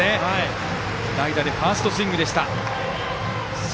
代打でファーストスイングでした。